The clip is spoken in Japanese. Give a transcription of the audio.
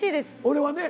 俺はね。